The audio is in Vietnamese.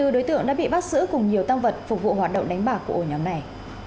hai mươi đối tượng đã bị bắt giữ cùng nhiều tăng vật phục vụ hoạt động đánh bạc của ổ nhóm này